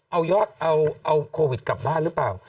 เอายอดเอาโควิดกลับบ้านหรือเปล่า